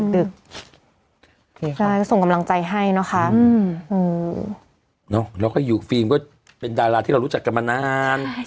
ใช่ส่งกำลังใจให้นะคะแล้วก็อยู่ฟิล์มก็เป็นดาราที่เรารู้จักกันมานาน